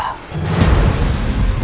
bagaimana kalau welsa menemukan nino